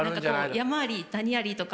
山あり谷ありとか。